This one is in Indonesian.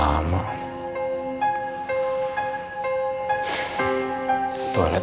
aku mau ke tempat yang lebih baik